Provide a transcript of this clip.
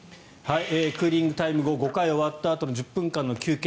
クーリングタイム後５回が終わったあとの１０分間の休憩